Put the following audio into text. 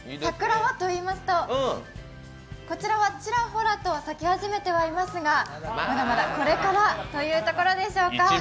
桜はといいますと、こちらはちらほらと咲き始めてはいますがまだまだ、これからというところでしょうか。